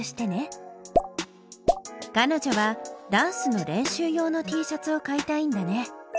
かのじょはダンスの練習用のＴシャツを買いたいんだね。